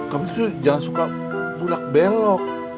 kamu jangan suka bulak belok